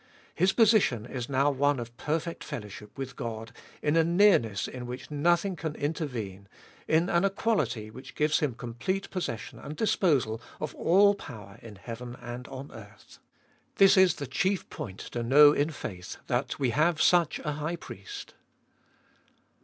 His position is now one of perfect fellowship with God, in a nearness in which nothing can intervene, in an equality which gives Him complete f&olieet of Hll 261 possession and disposal of all power in heaven and on earth. This is the chief point to know in faith, that we have such a High Priest!